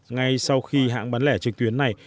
ngay sau khi hãng bán lẻ trực tuyến này